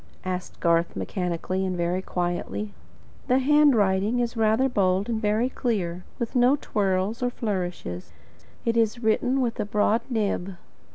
asked Garth, mechanically and very quietly. "The handwriting is rather bold and very clear, with no twirls or flourishes. It is written with a broad nib."